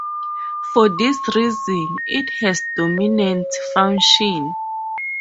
For this reason, it has dominant function.